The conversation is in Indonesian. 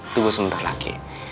tunggu sebentar lagi